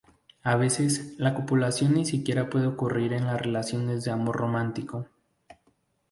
A veces, la copulación ni siquiera puede ocurrir en las relaciones de amor romántico.